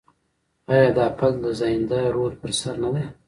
آیا دا پل د زاینده رود پر سر نه دی؟